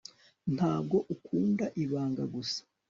ntabwo ukunda ibanga gusa